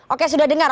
oke sudah dengar